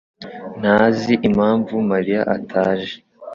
ntazi impamvu Mariya ataje.